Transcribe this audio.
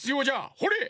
ほれ！